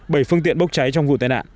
bảy phương tiện bốc cháy trong vụ tai nạn